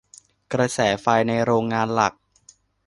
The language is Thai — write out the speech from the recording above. กระแสไฟในโรงงานหลัก